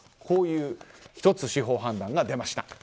こういう司法判断が出ました。